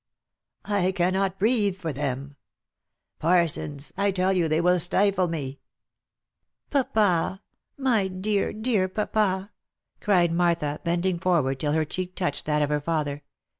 I cannot breathe for them ! Parsons !— I tell you they will stifle me !"" Papa ! my dear, # dear papa !" cried Martha, bending forward till her cheek touched that of her father.